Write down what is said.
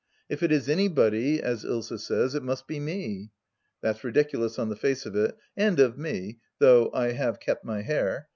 If it is anybody, as Ilsa says, it must be me ! That's ridiculous on the face of it — and of me, though I have kept my hair.